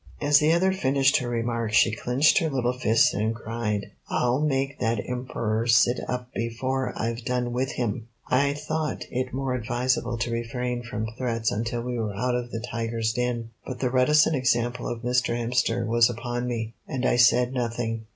As the other finished her remark she clenched her little fist and cried: "I'll make that Emperor sit up before I've done with him!" I thought it more advisable to refrain from threats until we were out of the tiger's den; but the reticent example of Mr. Hemster was upon me, and I said nothing.